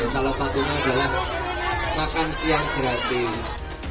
salah satunya adalah makan siang gratis